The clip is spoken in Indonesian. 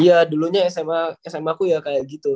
iya dulunya sma aku ya kayak gitu